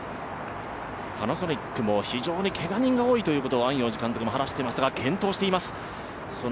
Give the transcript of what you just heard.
パナソニックも非常にけが人が多いと、安養寺監督も話していましたが、健闘しています。